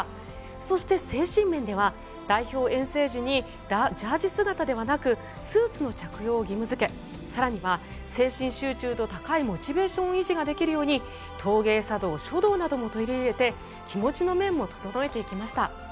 そして、精神面では代表遠征時にジャージー姿ではなくスーツの着用を義務付け更には精神集中と高いモチベーション維持ができるように陶芸、茶道、書道なども取り入れて気持ちの面も整えていきました。